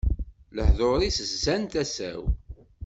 Lehduṛ-is zzan tasa-w.